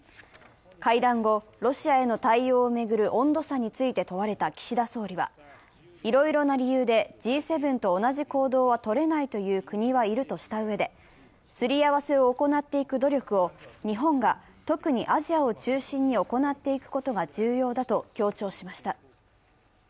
会談後、ロシアへの対応を巡る温度差について問われた岸田総理はいろいろな理由でＧ７と同じ行動をとれないという国はいるとしたうえですり合わせを行っていく努力を日本が特にアジアを中心に行っていくことが重要だと強調しました。